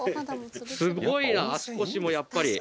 すごいな足腰もやっぱり。